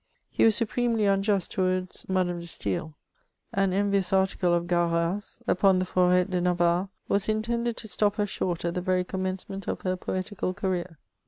He was supremely unjust towards Madame de StaeL An envious article of Crarat's, upon the Forit de Na^ varrey was intended to stc^ her short at the very commence ment of her poetical career.